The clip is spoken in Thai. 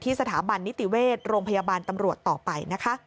สถาบันนิติเวชโรงพยาบาลตำรวจต่อไปนะคะ